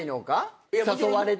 誘われて。